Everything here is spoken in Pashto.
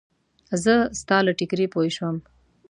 زه ستا له ټیکري پوی شوم.